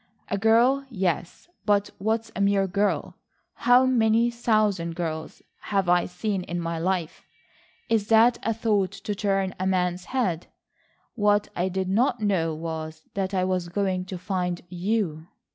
"A girl, yes. But what's a mere girl? How many thousand girls have I seen in my life? Is that a thought to turn a man's head? What I did not know was that I was going to find you."